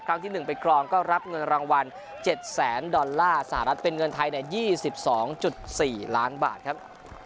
ที่๑ไปครองก็รับเงินรางวัล๗แสนดอลลาร์สหรัฐเป็นเงินไทย๒๒๔ล้านบาทครับ